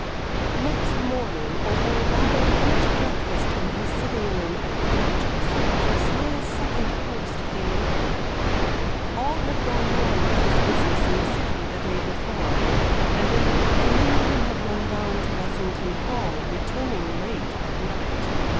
XXVIII Next morning, over a rather late breakfast in his sitting room at Claridge's, Josiah's second post came in. All had gone well with his business in the City the day before, and in the afternoon he had run down to Bessington Hall, returning late at night.